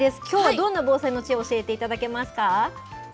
きょうはどんな防災の知恵を教えていただけますか？